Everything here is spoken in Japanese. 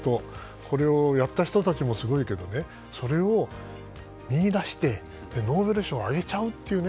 これをやった人たちもすごいけどね、それを見いだしてノーベル賞をあげちゃうというね。